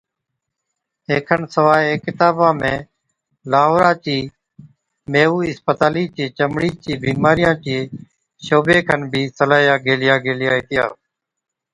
اي کن سِوا اي ڪِتابا ۾ لاهورا چِي مِيئو اِسپتالِي چي چمڙِي چي بِيمارِيان چي شعبي کن بِي صلاحِيا گيهلِيا گيلِيا هِتِيا۔